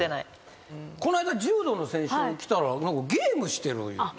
この間柔道の選手来たらゲームしてるいうて。